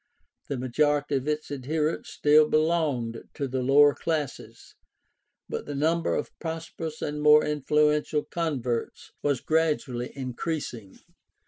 The majority of its adherents still belonged to the lower classes, but the number of prosperous and more influential converts was gradually increasing.